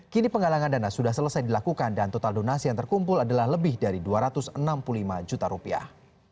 kini penggalangan dana sudah selesai dilakukan dan total donasi yang terkumpul adalah lebih dari dua ratus enam puluh lima juta rupiah